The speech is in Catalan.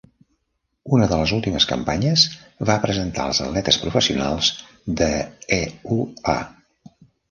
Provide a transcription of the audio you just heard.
Una de les últimes campanyes va presentar als atletes professionals d"EUA.